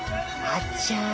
あちゃ